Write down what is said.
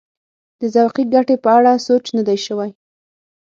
د ذوقي ګټې په اړه سوچ نه دی شوی.